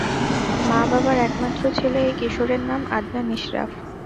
মা বাবার একমাত্র ছেলে এই কিশোরের নাম আদনান ইসফার।